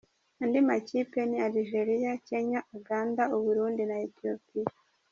Andi makipe ni Algeria, Kenya, Uganda, u Burundi na Ethiopia.